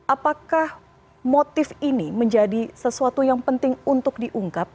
apakah motif ini menjadi sesuatu yang penting untuk diungkap